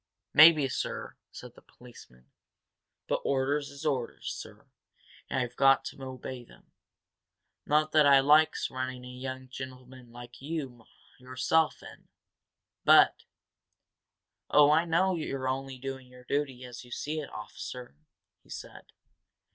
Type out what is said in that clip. "Maybe, sir," said the policeman. "But orders is orders, sir, and I've got to obey them. Not that I likes running a young gentleman like yourself in. But " "Oh, I know you're only doing your duty, as you see it, officer," he said.